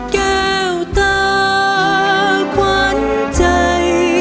แก้วตาขวัญใจ